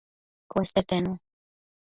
Cueste tenu